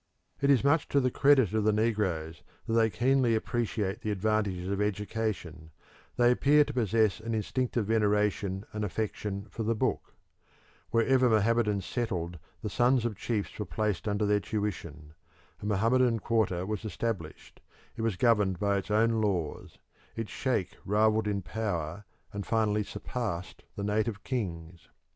It is much to the credit of the negroes that they keenly appreciate the advantages of education; they appear to possess an instinctive veneration and affection for the book. Wherever Mohammedans settled, the sons of chiefs were placed under their tuition. A Mohammedan quarter was established; it was governed by its own laws; its sheikh rivalled in power and finally surpassed the native kings.